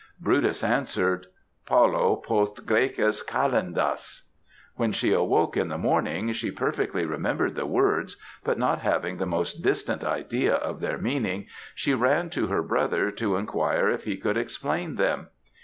Brutus answered 'Paulo post Græcas Kalendas.' When she awoke in the morning, she perfectly remembered the words; but not having the most distant idea of their meaning she ran to her brother to enquire if he could explain them.